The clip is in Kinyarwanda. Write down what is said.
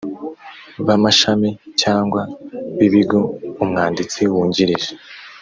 b amashami cyangwa b ibigo umwanditsi wungirije